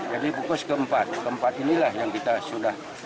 jadi bukus keempat keempat inilah yang kita sudah temukan semua